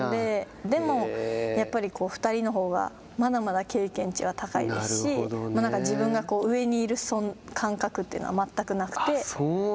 でも、やっぱり２人のほうがまだまだ経験値は高いですし自分がこう上にいる感覚というのは全くなくて。